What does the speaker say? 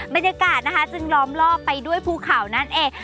บรรยากาศนะคะจึงล้อมรอบไปด้วยภูเขานั่นเอง